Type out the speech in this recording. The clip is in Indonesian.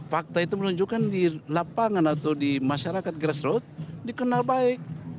fakta itu menunjukkan di lapangan atau di masyarakat grassroot dikenal baik